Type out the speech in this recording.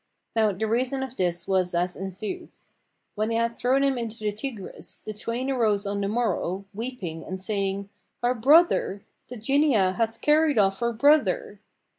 Now the reason of this was as ensueth. When they had thrown him into the Tigris, the twain arose on the morrow, weeping and saying, "Our brother! the Jinniyah hath carried off our brother!"